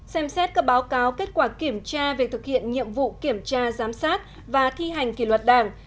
xem xét các báo cáo kết quả kiểm tra về thực hiện nhiệm vụ kiểm tra giám sát và thi hành kỷ luật đảng